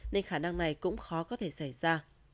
nên khả năng này cũng khó có thể xảy ra